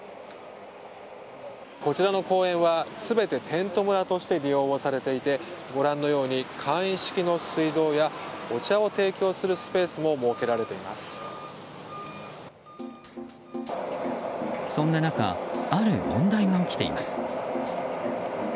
こちらの公園は全てテント村として利用をされていて、ご覧のように簡易式の水道やお茶を提供するスペースもそんな中ある問題が起きています。